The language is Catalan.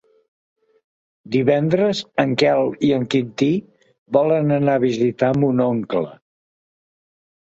Divendres en Quel i en Quintí volen anar a visitar mon oncle.